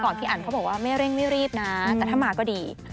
พี่อันเขาบอกว่าไม่เร่งไม่รีบนะแต่ถ้ามาก็ดี